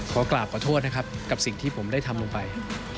ขอกราบขอโทษนะครับกับสิ่งที่ผมได้ทำลงไป